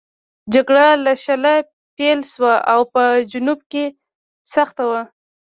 جګړه له شله پیل شوه او په جنوب کې سخته وه.